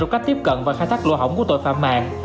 trong cách tiếp cận và khai thác lỗ hỏng của tội phạm mạng